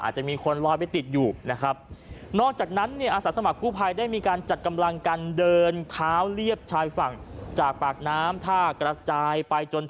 หมู่เกาะอ้างทองรวมจน